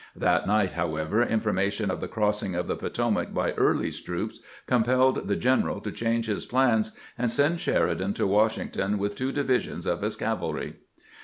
That night, however, information of the crossing of the Potomac by Early's troops compelled the general to change his plans and send Sheridan to Washington with two divisions of his cavalry.